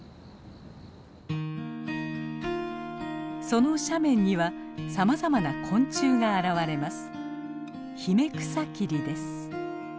その斜面にはさまざまな昆虫が現れます。